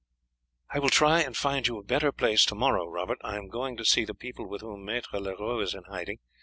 "I will try and find you a better place to morrow, Robert. I am going to see the people with whom Maître Leroux is in hiding.